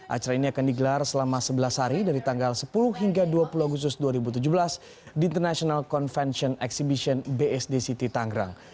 acara ini akan digelar selama sebelas hari dari tanggal sepuluh hingga dua puluh agustus dua ribu tujuh belas di international convention exhibition bsd city tanggerang